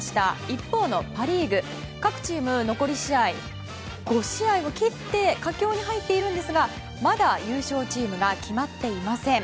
一方のパ・リーグ各チーム残り試合５試合を切って佳境に入っているんですがまだ優勝チームが決まっていません。